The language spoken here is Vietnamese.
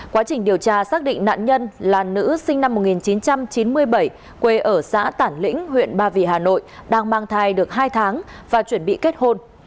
quá trình điều tra xác định nạn nhân là nữ sinh năm một nghìn chín trăm chín mươi bảy quê ở xã tản lĩnh huyện ba vì hà nội đang mang thai được hai tháng và chuẩn bị kết hôn